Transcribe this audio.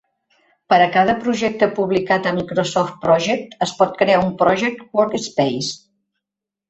Per a cada projecte publicat a Microsoft Project es pot crear un Project Workspace.